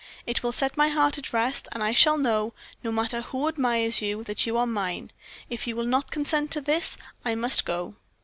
It will set my heart at rest, and I shall know, no matter who admires you, that you are mine. If you will not consent to this, I must go.'